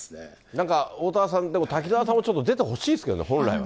なんかおおたわさん、滝沢さんもちょっと出てほしいですけどね、本来は。